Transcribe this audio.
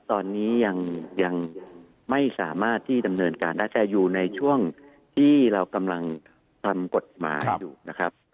ตอนนี้ยังไม่สามารถที่ดำเนินการได้แต่อยู่ในช่วงที่เรากำลังทำกฎหมายอยู่นะครับ